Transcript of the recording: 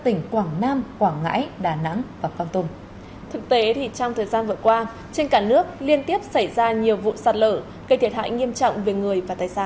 từ đầu năm hai nghìn hai mươi ba đến nay trên cả nước xảy ra hàng trăm vụ sạt lở